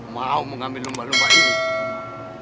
mau mengambil lembah lembah ini